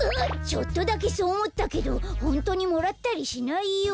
ちょっとだけそうおもったけどほんとにもらったりしないよ。